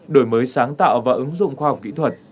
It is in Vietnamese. đổi mới sáng tạo và ứng dụng khoa học kỹ thuật